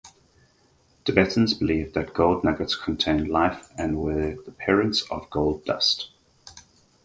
Tibetans believed that gold nuggets contained life and were the parents of gold dust.